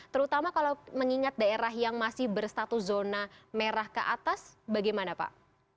terutama kalau mengingat daerah yang masih berstatus zona merah ke atas bagaimana pak